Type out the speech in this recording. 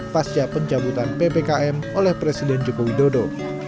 pasca pencabutan ppkm oleh presiden joko widodo